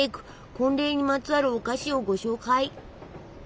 婚礼にまつわるお菓子をご紹介！